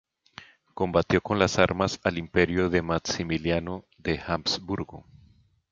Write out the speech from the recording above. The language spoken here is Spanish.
Combatió con las armas al imperio de Maximiliano de Habsburgo.